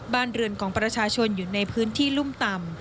บ้านเรือนของประชาชนอยู่ในพื้นที่ลุ่มต่ำ